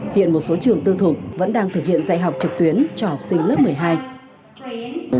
hiện một số trường tư thục vẫn đang thực hiện dạy học trực tuyến cho học sinh lớp một mươi hai